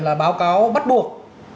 là báo cáo bắt buộc